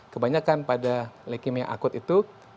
kebanyakan pada leukemia akut itu